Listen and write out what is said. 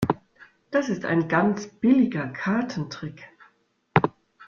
Das ist ein ganz billiger Kartentrick.